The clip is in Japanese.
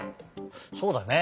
そうだね。